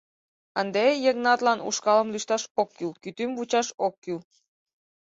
Ынде Йыгнатлан ушкалым лӱшташ ок кӱл, кӱтӱм вучаш ок кӱл.